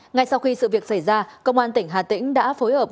ngay sau khi sự việc xảy ra công an tỉnh hà tĩnh đã phối hợp